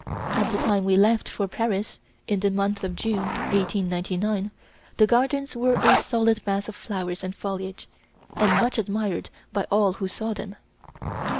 At the time we left for Paris, in the month of June, 1899, the gardens were a solid mass of flowers and foliage, and much admired by all who saw them.